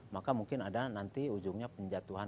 maka mungkin ada nanti ujungnya penjatuhan